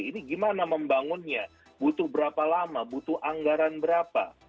ini gimana membangunnya butuh berapa lama butuh anggaran berapa